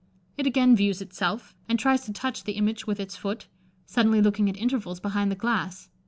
It again views itself, and tries to touch the image with its foot, suddenly looking at intervals behind the glass.